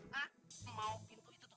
mau pintu itu tuh